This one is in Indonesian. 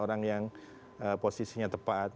orang yang posisinya tepat